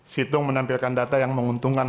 situng menampilkan data yang menguntungkan